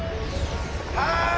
はい！